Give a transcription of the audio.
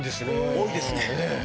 多いですね。